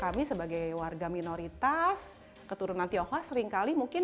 kami sebagai warga minoritas keturunan tionghoa seringkali mungkin